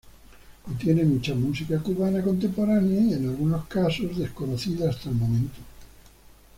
Contiene mucha música cubana contemporánea y en algunos casos desconocida hasta el momento.